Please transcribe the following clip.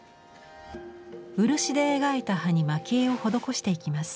漆で描いた葉に蒔絵を施していきます。